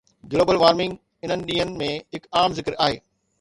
global warming انهن ڏينهن ۾ هڪ عام ذڪر آهي